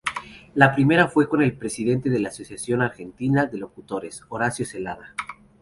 La primera fue con el presidente de la Asociación Argentina de Locutores Horacio Zelada.